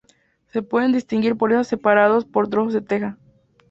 Se pueden distinguir por estar separados por trozos de teja.